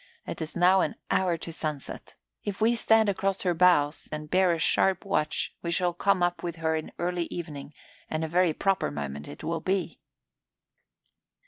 It is now an hour to sunset. If we stand across her bows and bear a sharp watch we shall come up with her in early evening and a very proper moment it will be."